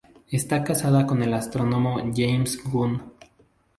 Está casada con el astrónomo James Gunn.